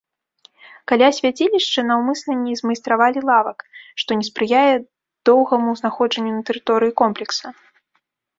Каля свяцілішча наўмысна не змайстравалі лавак, што не спрыяе доўгаму знаходжанню на тэрыторыі комплекса.